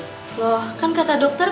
loh kan kata dokter